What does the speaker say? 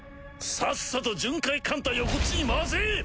さっさと巡回艦隊をこっちに回せ！